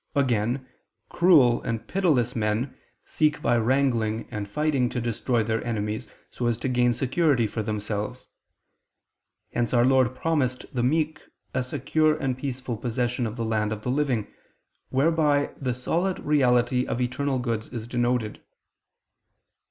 Again, cruel and pitiless men seek by wrangling and fighting to destroy their enemies so as to gain security for themselves. Hence Our Lord promised the meek a secure and peaceful possession of the land of the living, whereby the solid reality of eternal goods is denoted.